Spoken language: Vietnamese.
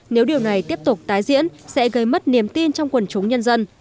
nếu điều này tiếp tục tái diễn sẽ gây mất niềm tin trong quần chúng nhân dân